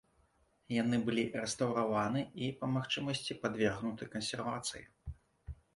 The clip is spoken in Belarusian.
Яны былі рэстаўрыраваны і, па магчымасці, падвергнуты кансервацыі.